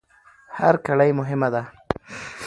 هر کړۍ مهمه ده.